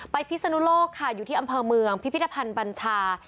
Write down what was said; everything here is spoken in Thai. พิศนุโลกค่ะอยู่ที่อำเภอเมืองพิพิธภัณฑ์บัญชา